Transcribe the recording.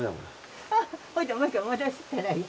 もう一回戻したらいい。